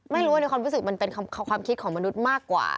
ไม่รู้ว่าในความรู้สึกมันเป็นความคิดของมนุษย์มากกว่า